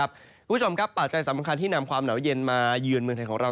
คุณผู้ชมครับปัจจัยสำคัญที่นำความหนาวเย็นมาเยือนเมืองไทยของเรา